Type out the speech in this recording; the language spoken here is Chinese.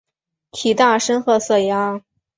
体大深褐色鸭。